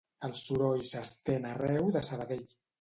El soroll s'estén arreu de Sabadell